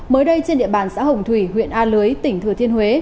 mới đây trên địa bàn xã hồng thủy huyện a lưới tỉnh thừa thiên huế